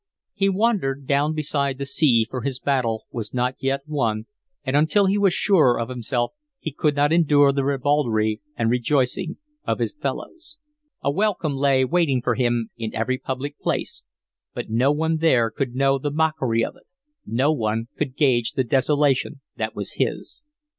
He wandered down beside the sea, for his battle was not yet won, and until he was surer of himself he could not endure the ribaldry and rejoicing of his fellows. A welcome lay waiting for him in every public place, but no one there could know the mockery of it, no one could gauge the desolation that was his.